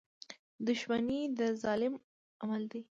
• دښمني د ظالم عمل دی.